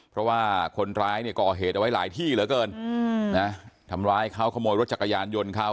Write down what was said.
เพราะว่าคนร้ายเนี่ยก่อเหตุเอาไว้หลายที่เหลือเกินทำร้ายเขาขโมยรถจักรยานยนต์เขา